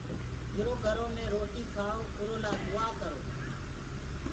جرو گھرو مي روٽي کآئو اُرو لآ دُآآ ڪرو